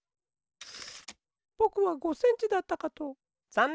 ぼくは５センチだったかと。